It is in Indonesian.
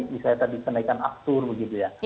misalnya tadi kenaikan aftur begitu ya